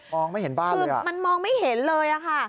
ไม่เห็นบ้านคือมันมองไม่เห็นเลยอะค่ะ